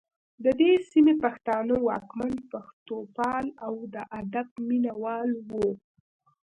د دې سیمې پښتانه واکمن پښتوپال او د ادب مینه وال وو